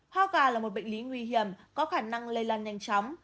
ho gà là một bệnh lý nguy hiểm có khả năng lây lan nhanh chóng